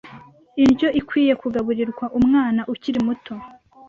indyo ikwiye kugaburirwa umwana ukiri muto